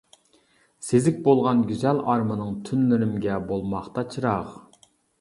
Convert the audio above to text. سېزىك بولغان گۈزەل ئارمىنىڭ، تۈنلىرىمگە بولماقتا چىراغ.